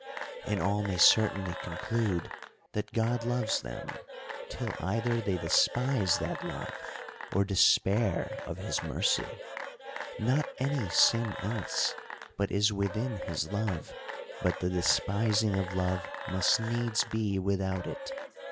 And all 80 THE COUNTRY PARSON. may certainly conclude that God loves them, till either they despise that love, or despair of his mercy. Not any sin else, but is within his love ; but the despising of love must needs be without it.